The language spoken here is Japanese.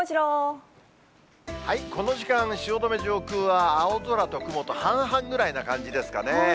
この時間、汐留上空は、青空と雲と半々ぐらいな感じですかね。